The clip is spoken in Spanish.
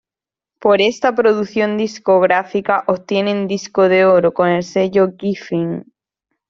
Por esta producción discográfica, obtienen "Disco de Oro", con el Sello Geffen.